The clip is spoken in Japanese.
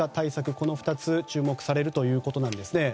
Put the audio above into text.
この２つ注目されるということです。